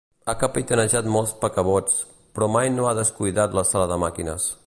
Ha capitanejat molts paquebots, però mai no ha descuidat la sala de màquines.